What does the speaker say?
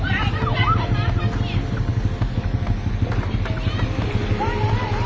อ่าถ่ายแล้ว